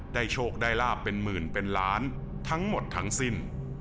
โชคได้ลาบเป็นหมื่นเป็นล้านทั้งหมดทั้งสิ้น